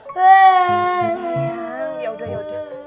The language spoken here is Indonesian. sayang yaudah yaudah